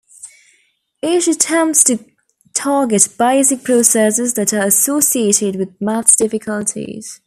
Each attempts to target basic processes that are associated with maths difficulties.